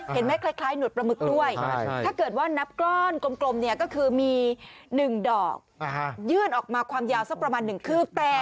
คล้ายหนวดปลาหมึกด้วยถ้าเกิดว่านับก้อนกลมเนี่ยก็คือมี๑ดอกยื่นออกมาความยาวสักประมาณ๑คืบ